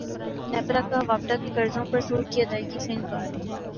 نیپرا کا واپڈا کے قرضوں پر سود کی ادائیگی سے انکار